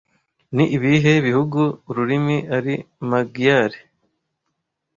Ni ibihe bihugu ururimi ari Magyar